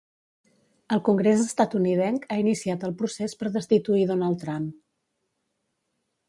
El congrés estatunidenc ha iniciat el procés per destituir Donald Trump.